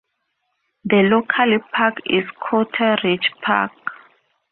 The local park is Cotteridge Park.